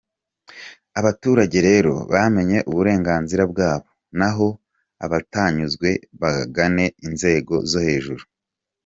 Abaturage rero bamenye uburenganzira bwabo, naho abatanyuzwe bagane inzego zo hejuru.